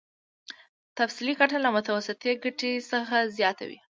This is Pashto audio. تفضيلي ګټه له متوسطې ګټې څخه زیاته وي